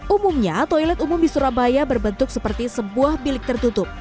umumnya toilet umum di surabaya berbentuk seperti sebuah bilik tertutup